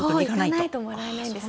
行かないともらえないんです。